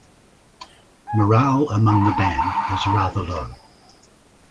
Morale among the band was rather low.